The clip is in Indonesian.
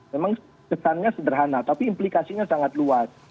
memang kesannya sederhana tapi implikasinya sangat luas